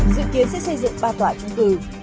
dự kiến sẽ xây dựng ba tòa chung cư